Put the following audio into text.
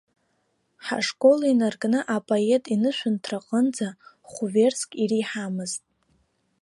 Ҳашкол инаркны апоет инышәынҭраҟынӡа хәверск иреиҳамызт.